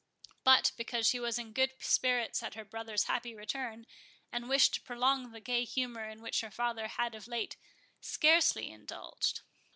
But, besides, she was in good spirits at her brother's happy return, and wished to prolong the gay humour in which her father had of late scarcely ever indulged.